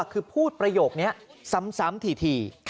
คือพูดประโยคนี้ซ้ำถี่